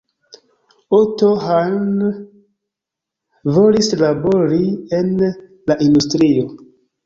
Otto Hahn volis labori en la industrio.